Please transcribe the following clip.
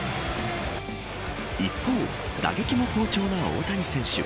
一方、打撃も好調な大谷選手。